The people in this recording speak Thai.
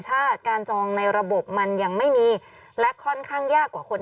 การจองในระบบมันยังไม่มีและค่อนข้างยากกว่าคน